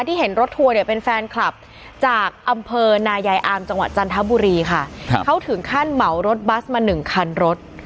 เห็นรถทัวร์เนี่ยเป็นแฟนคลับจากอำเภอนายายอามจังหวัดจันทบุรีค่ะเขาถึงขั้นเหมารถบัสมาหนึ่งคันรถ